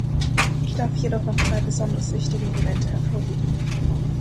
Ich darf jedoch noch zwei besonders wichtige Elemente hervorheben.